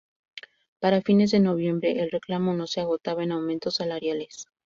Para fines de noviembre el reclamo no se agotaba en aumentos salariales.